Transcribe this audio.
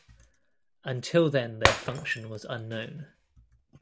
Until then their function was unknown.